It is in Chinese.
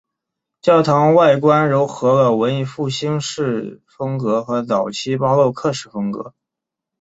教堂外观揉合了文艺复兴式风格和早期巴洛克式风格。